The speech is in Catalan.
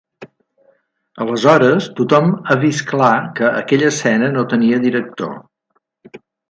Aleshores tothom ha vist clar que aquella escena no tenia director.